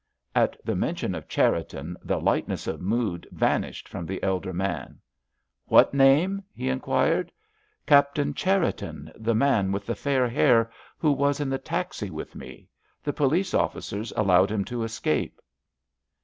At the mention of Cherriton the lightness of mood vanished from the elder man. "What name?" he inquired. "Captain Cherriton, the man with the fair hair, who was in the taxi with me. The police officers allowed him to escape."